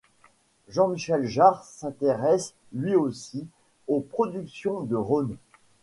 Jean Michel Jarre s'intéresse lui aussi aux productions de Rone.